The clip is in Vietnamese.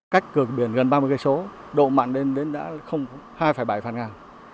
cách cửa biển gần ba mươi cây số độ mặn đến đã hai bảy phần ngàn